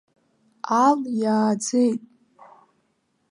Ал иааӡеит.